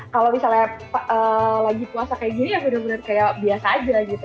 kalau misalnya lagi puasa kayak gini ya benar benar kayak biasa aja gitu